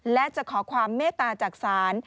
และจะขอความเมตตาจากศาล